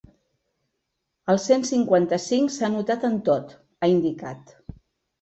El cent cinquanta-cinc s’ha notat en tot, ha indicat.